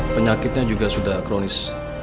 penyakitnya juga sudah kronis